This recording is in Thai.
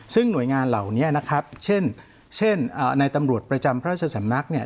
ซึ่งหน่วยงานเหล่านี้นะครับเช่นเช่นในตำรวจประจำพระราชสำนักเนี่ย